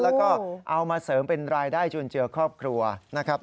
แล้วก็เอามาเสริมเป็นรายได้จุนเจือครอบครัวนะครับ